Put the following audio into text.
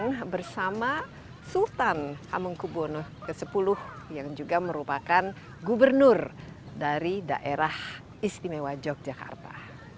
dan bersama sultan hamengkubono x yang juga merupakan gubernur dari daerah istimewa yogyakarta